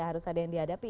harus ada yang dihadapi